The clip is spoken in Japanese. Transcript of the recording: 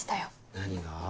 何が？